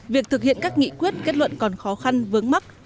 việc thực hiện các nghị quyết kết luận còn khó khăn vướng mắt